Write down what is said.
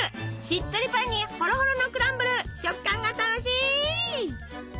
しっとりパンにホロホロのクランブル食感が楽しい！